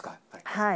はい。